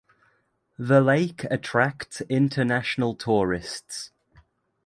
The lake attracts international tourists.